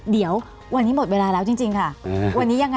เดี๋ยววันนี้หมดเวลาแล้วจริงค่ะ